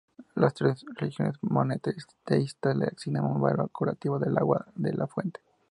Las tres religiones monoteístas le asignan un valor curativo al agua de la fuente.